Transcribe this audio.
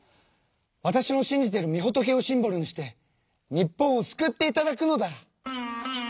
わたしの信じてるみ仏をシンボルにして日本を救っていただくのだ！